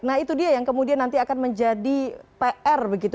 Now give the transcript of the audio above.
nah itu dia yang kemudian nanti akan menjadi pr begitu